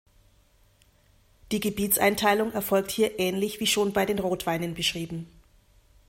Die Gebietseinteilung erfolgt hier ähnlich wie schon bei den Rotweinen beschrieben.